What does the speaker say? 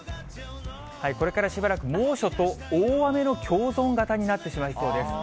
これからしばらく猛暑と大雨の共存型になってしまいそうです。